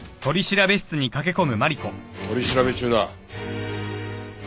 取り調べ中だ。